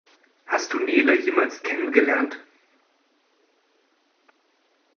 Hast du Nele jemals kennen gelernt?